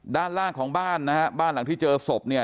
ด้านล่างของบ้านนะฮะบ้านหลังที่เจอศพเนี่ย